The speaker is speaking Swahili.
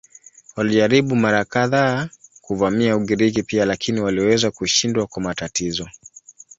Walijaribu mara kadhaa kuvamia Ugiriki pia lakini waliweza kushindwa kwa matatizo.